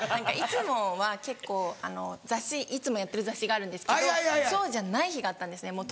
いつもは結構雑誌いつもやってる雑誌があるんですけどそうじゃない日があったんですね